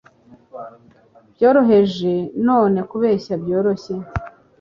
Byoroheje, none kubeshya byoroshye